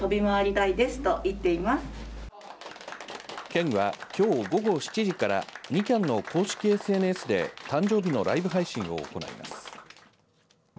県は、きょう午後７時からみきゃんの公式ＳＮＳで誕生日のライブ配信を行います。